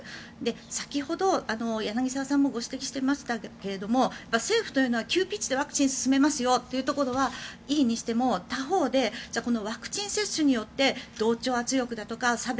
先ほど柳澤さんもご指摘してましたけれども政府というのは急ピッチでワクチンを進めますよというところはいいにしても他方でワクチン接種によって同調圧力だとか差別